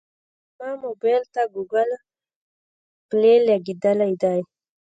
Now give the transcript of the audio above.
زما موبایل ته ګوګل پلی لګېدلی دی.